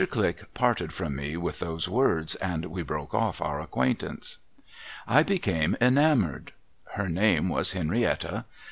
Click parted from me with those words, and we broke oft' our acquaintance. I became enamoured. Her name was Henrietta.